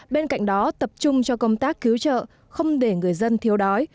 bên cạnh đó tập trung cho công tác cứu trợ không để người dân thiếu đói